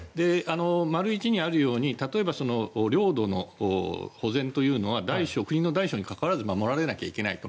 丸１にあるように例えば領土の保全というのは職人の大小にかかわらず守られなきゃいけないと。